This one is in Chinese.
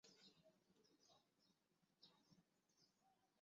有积极的参与音乐活动。